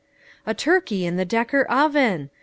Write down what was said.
A turkey in the Decker oven